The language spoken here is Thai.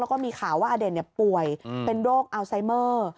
แล้วก็มีข่าวว่าอเด่นป่วยเป็นโรคอัลไซเมอร์